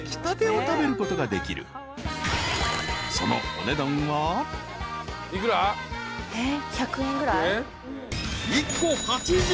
［そのお値段は］えっ！